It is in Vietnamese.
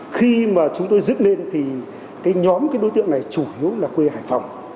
khi mà chúng tôi dựng lên thì cái nhóm cái đối tượng này chủ yếu là quê hải phòng